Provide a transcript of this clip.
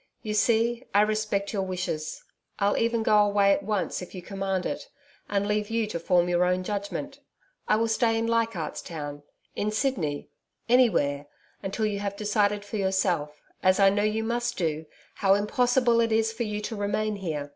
You see, I respect your wishes. I'll even go away at once, if you command it, and leave you to form your own judgment. I will stay in Leichardt's Town in Sydney anywhere until you have decided for yourself as I know you must do how impossible it is for you to remain here.